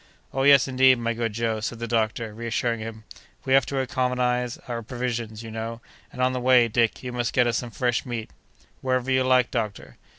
"Oh, yes, indeed, my good Joe," said the doctor, reassuring him; "we have to economize our provisions, you know; and on the way, Dick, you must get us some fresh meat." "Whenever you like, doctor."